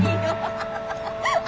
ハハハハ。